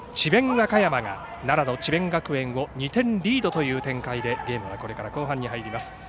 和歌山が奈良の智弁学園を２点リードという展開でこれからゲームの後半に入ります。